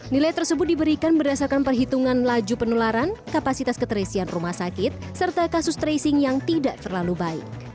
nilai tersebut diberikan berdasarkan perhitungan laju penularan kapasitas keterisian rumah sakit serta kasus tracing yang tidak terlalu baik